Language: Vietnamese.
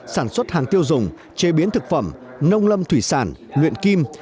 sản xuất hàng tiêu dùng chế biến thực phẩm nông lâm thủy sản luyện kim